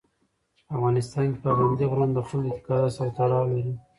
په افغانستان کې پابندی غرونه د خلکو د اعتقاداتو سره تړاو لري.